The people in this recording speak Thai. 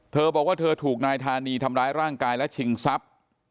เธอบอกว่าเธอถูกนายธานีทำร้ายร่างกายและชิงทรัพย์